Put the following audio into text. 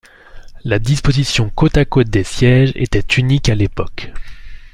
La disposition côte à côte des sièges était unique à l'époque.